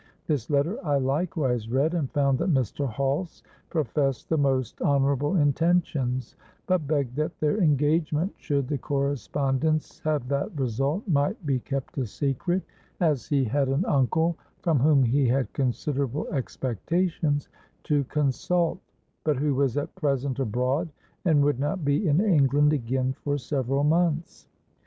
This letter I likewise read, and found that Mr. Hulse professed the most honourable intentions, but begged that their engagement (should the correspondence have that result) might be kept a secret, as he had an uncle (from whom he had considerable expectations) to consult, but who was at present abroad and would not be in England again for several months.